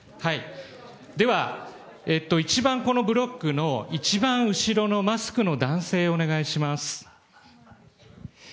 では、一番このブロックの、一番後ろのマスクの男性お願いします。